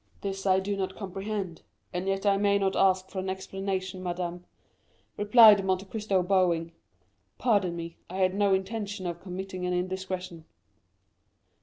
"This I do not comprehend; and yet I may not ask for an explanation, madame," replied Monte Cristo bowing. "Pardon me, I had no intention of committing an indiscretion."